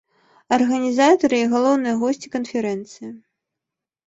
Арганізатары і галоўныя госці канферэнцыі.